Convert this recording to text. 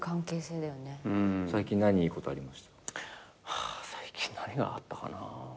ハァ最近何があったかな？